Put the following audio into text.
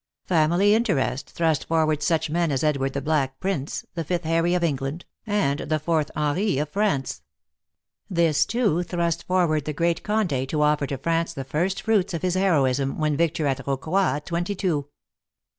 Family interest thrust forward such men as Edward the Black Prince, the fifth Harry of England, and the fourth Henri of France. This, too, thrust forward the great Conde to offer to France the first fruits of his heroism, when victor at Rocroi, at twenty two.